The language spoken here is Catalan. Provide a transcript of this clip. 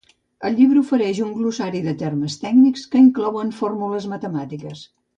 El llibre ofereix un glossari de termes tècnics que inclouen fórmules matemàtiques.